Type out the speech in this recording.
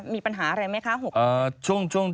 มีปัญหาอะไรไหมคะ๖ตรงนี้